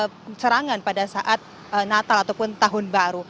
penyerangan pada saat natal ataupun tahun baru